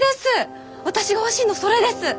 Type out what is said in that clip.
私が欲しいのそれです！